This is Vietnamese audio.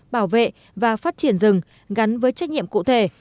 bảo vệ và phát triển rừng gắn với trách nhiệm cụ thể